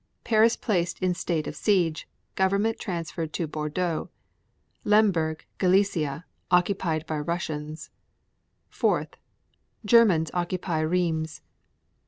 Paris placed in state of siege; government transferred to Bordeaux. 3. Lemberg, Gallicia, occupied by Russians. 4. Germans occupy Rheims.